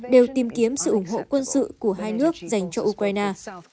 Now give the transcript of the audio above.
đều tìm kiếm sự ủng hộ quân sự của hai nước dành cho ukraine